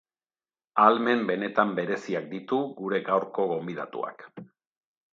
Ahalmen benetan bereziak ditu gure gaurko gonbidatuak.